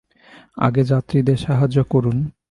আগে যাত্রীদের সাহায্য করুন।